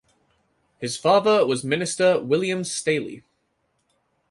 His father was minister William Staley.